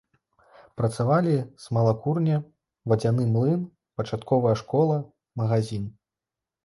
Працавалі смалакурня, вадзяны млын, пачатковая школа, магазін.